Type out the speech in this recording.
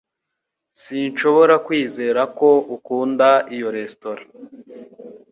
Sinshobora kwizera ko ukunda iyo resitora.